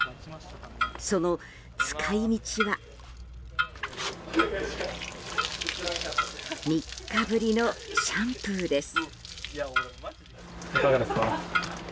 その使い道は３日ぶりのシャンプーです。